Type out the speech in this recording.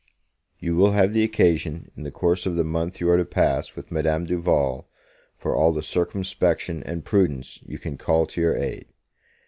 You will have the occasion, in the course of the month you are to pass with Madame Duval, for all the circumspection and prudence you can call to your aid.